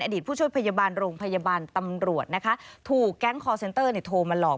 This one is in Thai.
อดีตผู้ช่วยพยาบาลโรงพยาบาลตำรวจถูกแก๊งคอร์เซ็นเตอร์โทรมาหลอก